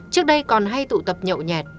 trước đây còn hay tụ tập nhậu nhẹt